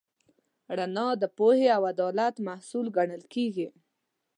رڼا د پوهې او عدالت محصول ګڼل کېږي.